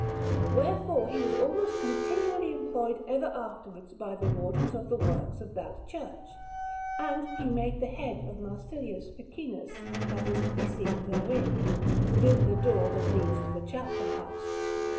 Wherefore he was almost continually employed ever afterwards by the Wardens of Works of that church; and he made the head of Marsilius Ficinus that is to be seen therein, within the door that leads to the chapter house.